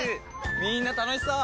みんな楽しそう！